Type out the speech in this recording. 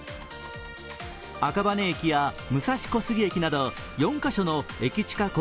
赤羽駅や武蔵小杉駅など４カ所の駅近